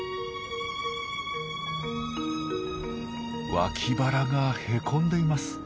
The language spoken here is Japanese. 脇腹がへこんでいます。